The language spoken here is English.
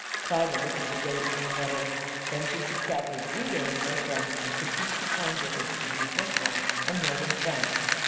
Klyda looked at the date on the letter. Then she subtracted three days therefrom and computed the time difference between her home and northern France.